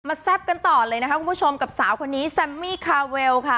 แซ่บกันต่อเลยนะคะคุณผู้ชมกับสาวคนนี้แซมมี่คาเวลค่ะ